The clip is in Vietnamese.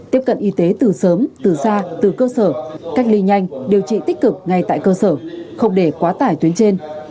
tiếp cận y tế từ sớm từ xa từ cơ sở cách ly nhanh điều trị tích cực ngay tại cơ sở không để quá tải tuyến trên